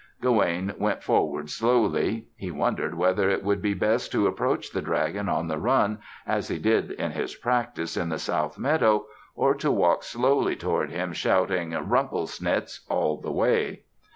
Gawaine went forward slowly. He wondered whether it would be best to approach the dragon on the run as he did in his practice in the South Meadow or to walk slowly toward him, shouting "Rumplesnitz" all the way.